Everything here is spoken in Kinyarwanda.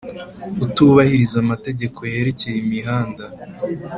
utubahiriza amategeko yerekeye imihanda